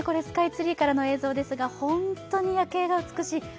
スカイツリーからの映像ですが本当に夜景が美しい。